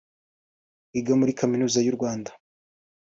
wiga muri Kaminuza y’u Rwanda